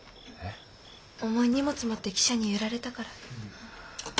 重い荷物持って汽車に揺られたから。